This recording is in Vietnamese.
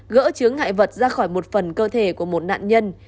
gỡ chướng ngại vật ra khỏi một phần cơ thể của một nạn nhân